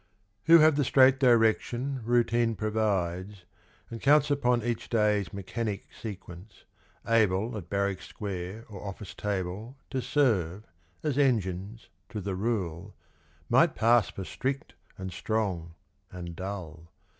WHO have the straight direction Routine provides, and counts upon Each day's mechanic sequence, able At barrack square or office table To serve, as engines, to the rule, Might pass for strict, and strong, and dull.